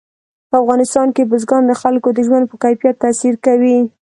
په افغانستان کې بزګان د خلکو د ژوند په کیفیت تاثیر کوي.